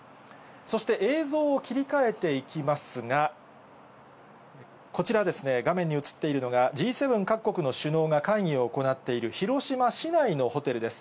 そして映像を切り替えていきますが、こちらですね、画面に映っているのが、Ｇ７各国の首脳が会議を行っている広島市内のホテルです。